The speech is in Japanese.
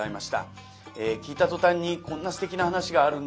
聴いた途端に「こんなすてきな噺があるんだ。